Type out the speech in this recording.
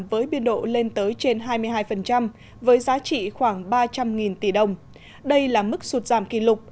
với biên độ lên tới trên hai mươi hai với giá trị khoảng ba trăm linh tỷ đồng đây là mức sụt giảm kỷ lục